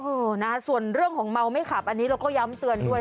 เออนะส่วนเรื่องของเมาไม่ขับอันนี้เราก็ย้ำเตือนด้วย